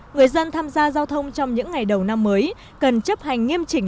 người dân tham gia giao thông trong những ngày đầu năm mới cần chấp hành nghiêm chỉnh